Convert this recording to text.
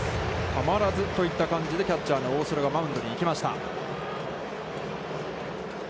たまらずといった感じでキャッチャーの大城がマウンドに行きました。